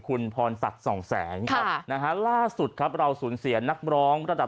คุณพรศักดิ์สองแสนครับนะฮะล่าสุดครับเราสูญเสียนักร้องระดับ